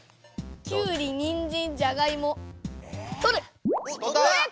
きゅうりにんじんじゃがいもとる！